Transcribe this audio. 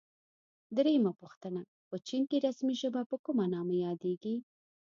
درېمه پوښتنه: په چین کې رسمي ژبه په کوم نامه یادیږي؟